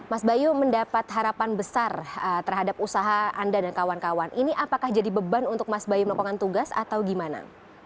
mas bayu mendapat harapan besar terhadap usaha anda dan kawan kawan ini apakah jadi beban untuk mas bayu melakukan tugas atau gimana